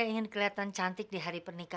nom lintang diculik